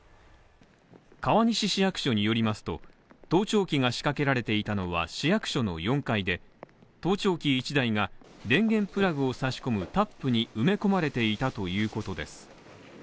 川西市役所によりますと、盗聴器が仕掛けられていたのは市役所の４階で盗聴器１台が電源プラグを差し込むタップに埋め込まれていたということです。